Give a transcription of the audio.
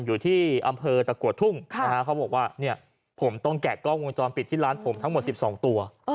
อยู่ที่อำเภอตะกัวทุ่งเขาบอกว่าเนี่ยผมต้องแกะกล้องวงจรปิดที่ร้านผมทั้งหมด๑๒ตัว